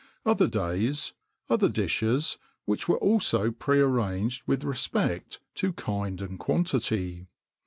Other days, other dishes, which were also pre arranged with respect to kind and quantity.